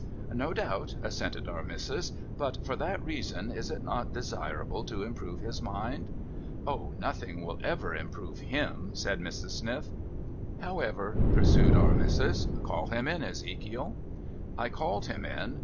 ' No doubt,' assented Our Missis. ' But for that reason is it not desirable to improve his mind ?'• Oh, nothing will ever improve ///;//,' said Mrs. Sniff. ' However,' pursued Our Missis, ' call him in, Ezekiel.' I called him in.